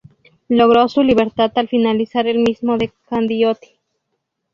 Logró su libertad al finalizar el mismo de Candioti.